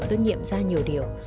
tôi nghiệm ra nhiều điều